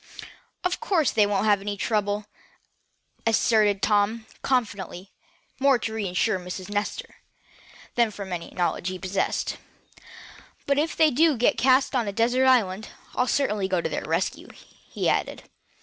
"Of course they won't have any trouble," asserted Tom, confidently, more to reassure Miss Nestor, than from any knowledge he possessed; "but if they do get cast away on a desert island, I'll certainly go to their rescue," he added.